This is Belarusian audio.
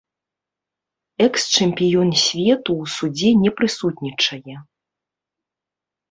Экс-чэмпіён свету ў судзе не прысутнічае.